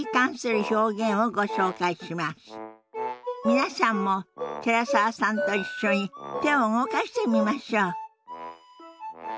皆さんも寺澤さんと一緒に手を動かしてみましょう。